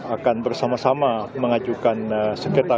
akan bersama sama mengajukan sengketa